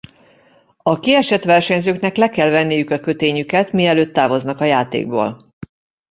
A kiesett versenyzőknek le kell venniük a kötényüket mielőtt távoznak a játékból.